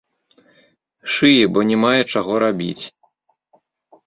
Шые, бо не мае чаго рабіць.